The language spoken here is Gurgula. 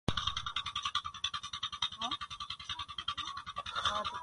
وي روٽيو ڪو آڊر دي ريهرآ تآ اور